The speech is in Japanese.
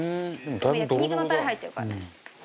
焼肉のタレ入ってるからね。